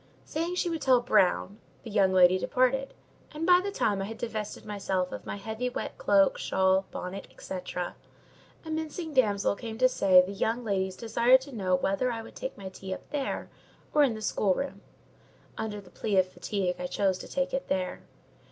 Saying she would tell "Brown," the young lady departed; and by the time I had divested myself of my heavy, wet cloak, shawl, bonnet, &c., a mincing damsel came to say the young ladies desired to know whether I would take my tea up there or in the schoolroom. Under the plea of fatigue I chose to take it there.